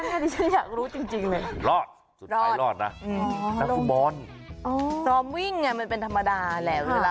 ใครคะอะไรนะลิงลิงที่ไหนแล้วหมา